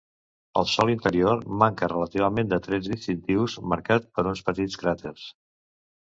El sòl interior manca relativament de trets distintius, marcat per uns petits cràters.